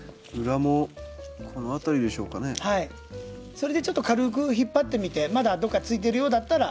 それでちょっと軽く引っ張ってみてまだどっかついているようだったら。